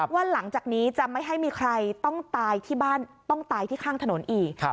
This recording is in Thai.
ว่าหลังจากนี้จะไม่ให้มีใครต้องตายที่บ้านต้องตายที่ข้างถนนอีก